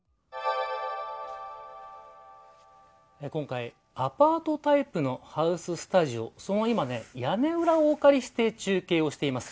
今回、アパートタイプのハウススタジオ、今屋根裏をお借りして中継をしています。